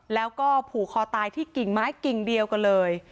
แล้วก็ผูกคอตายที่กิ่งไม้กิ่งเดียวกันเลย